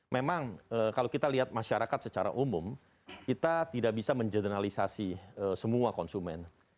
memang kalau kita lihat masyarakat secara umum kita tidak bisa mengeneralisasi semua konsumen